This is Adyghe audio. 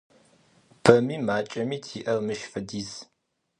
Бэми макӏэми тиӏэр мыщ фэдиз.